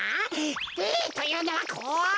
れいというのはこう。